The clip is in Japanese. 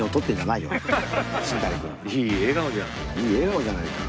いい笑顔じゃないか。